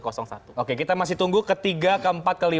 oke kita masih tunggu ke tiga ke empat ke lima